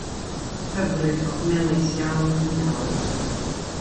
Hyfryd ond melys iawn iawn.